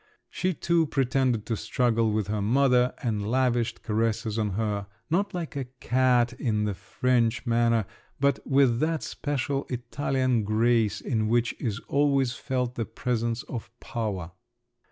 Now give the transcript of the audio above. She too pretended to struggle with her mother, and lavished caresses on her—not like a cat, in the French manner, but with that special Italian grace in which is always felt the presence of power.